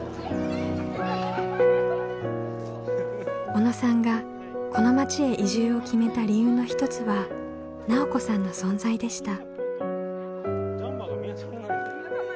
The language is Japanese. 小野さんがこの町へ移住を決めた理由の一つは奈緒子さんの存在でした。